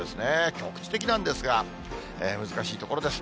局地的なんですが、難しいところです。